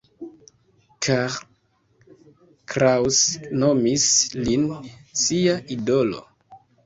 Karl Kraus nomis lin sia idolo.